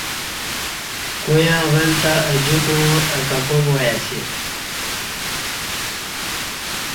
کویاں ولہ تہ اہ جکوع اہ ککاک وای اسی